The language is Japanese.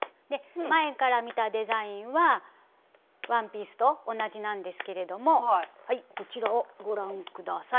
前から見たデザインはワンピースと同じなんですけれどもこちらをご覧ください。